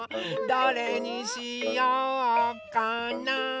どれにしようかな？